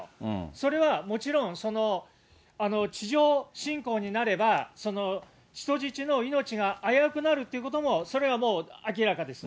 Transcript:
それはもちろん、地上侵攻になれば、人質の命が危うくなるということも、それはもう明らかです。